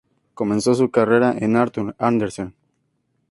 Comenzó su carrera en Arthur Andersen.